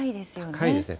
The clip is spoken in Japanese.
高いですね。